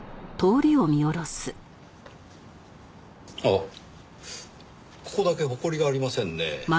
あっここだけ埃がありませんね。